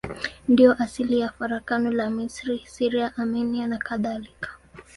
Ndiyo asili ya farakano la Misri, Syria, Armenia nakadhalika.